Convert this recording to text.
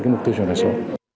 cái mục tiêu chuyển đổi số